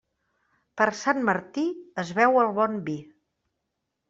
Per Sant Martí es beu el bon vi.